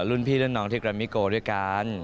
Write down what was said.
รุ่นพี่รุ่นน้องที่แรมมิโกด้วยกัน